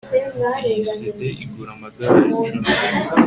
Iyi CD igura amadorari icumi